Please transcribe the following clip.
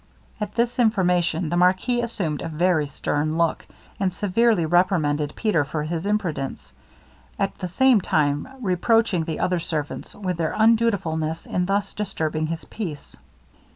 At this information, the marquis assumed a very stern look, and severely reprimanded Peter for his imprudence, at the same time reproaching the other servants with their undutifulness in thus disturbing his peace.